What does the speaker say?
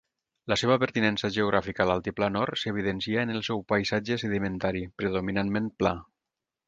La seva pertinença geogràfica a l'Altiplà Nord s'evidencia en el seu paisatge sedimentari, predominantment pla.